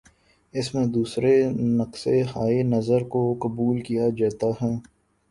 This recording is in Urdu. اس میں دوسرے نقطہ ہائے نظر کو قبول کیا جاتا ہے۔